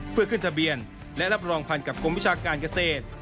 เพื่อขึ้นทะเบียนและรับรองพันกับกรมวิชาการเกษตร